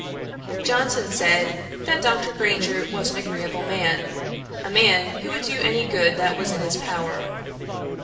Johnson said, that Dr. Grainger was an agreeable man; a man who would do any good that was in his power.